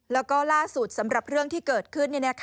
แล้วก็ล่าสุดสำหรับเรื่องที่เกิดขึ้น